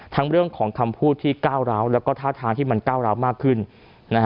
เรื่องของคำพูดที่ก้าวร้าวแล้วก็ท่าทางที่มันก้าวร้าวมากขึ้นนะฮะ